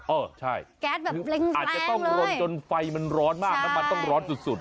เออใช่อาจจะต้องรนจนไฟมันร้อนมากมันต้องร้อนสุด